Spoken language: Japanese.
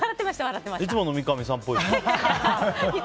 いつもの三上さんっぽいですけど。